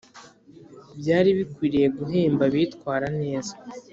byari bikwiriye guhemba abitwara neza